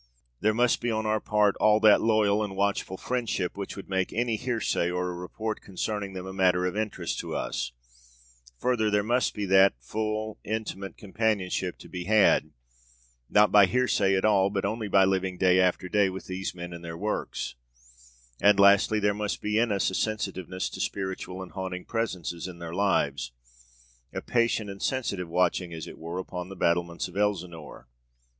There must be on our part all that loyal and watchful friendship which would make any hearsay or report concerning them a matter of interest to us; further, there must be that full intimate companionship to be had, not by hearsay at all, but only by living day after day with these men and their works; and lastly, there must be in us a sensitiveness to spiritual and haunting presences in their lives a patient and sensitive watching as it were upon the battlements of Elsinore.